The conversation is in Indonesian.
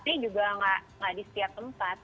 jadi kita harus cari ke tempat tempat tertentu